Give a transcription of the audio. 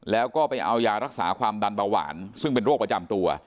แล้วก็ไปเอายารักษาความดันเบาหวานซึ่งเป็นโรคประจำตัว